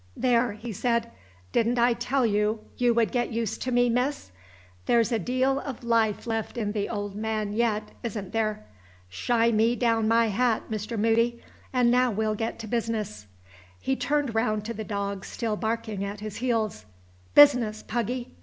"There," he said "didn't I tell you you would get used to me, Miss? There's a deal of life left in the old man yet isn't there? Shy me down my hat, Mr. Moody. And now we'll get to business!" He turned round to the dog still barking at his heels. "Business, Puggy!"